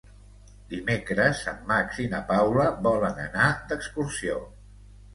Dimecres en Max i na Paula volen anar d'excursió.